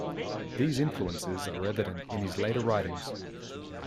These influences are evident in his later writings.